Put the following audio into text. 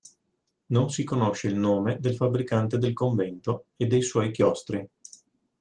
Non si conosce il nome del fabbricante del convento e dei suoi chiostri.